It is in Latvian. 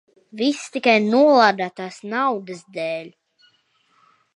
Viss tikai nolādētās naudas dēļ.